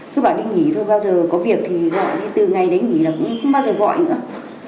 cứ bảo đi nghỉ thôi bao giờ có việc thì gọi đi từ ngày đấy nghỉ là cũng không bao giờ gọi nữa